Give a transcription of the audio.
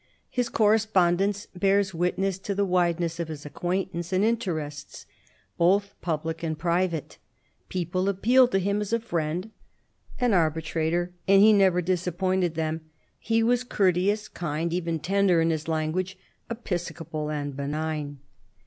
His correspondence bears witness to the wideness of his acquaintance and interests, both public and private; people appealed to him as a friend, an arbitrator, and he never disappointed them. He was courteous, kind, even tender in his language: "episcopal '^'^•^d benign."